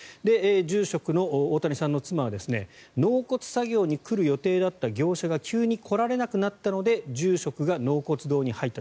住職の大谷さんの妻は納骨作業に来る予定だった業者が急に来られなくなったので住職が納骨に入った。